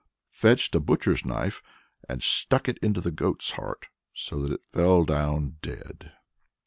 fetched a butcher's knife and stuck it into the goat's heart, so that it fell down dead.